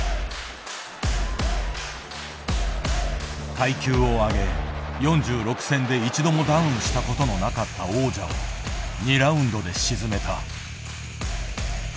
階級を上げ、４６戦で一度もダウンしたことのなかった王者を２ラウンドで沈めた。